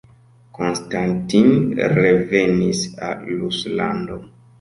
Konstantin revenis al Ruslando.